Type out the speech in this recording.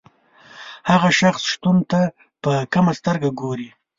هغه شخص شتو ته په کمه سترګه ګوري.